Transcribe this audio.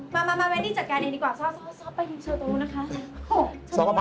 มาแวดดี้จัดการเลยดีกว่าโซ่ไปรีบโชว์ตัวนู้นนะคะ